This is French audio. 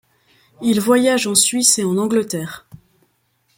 Il voyage en Suisse et en Angleterre.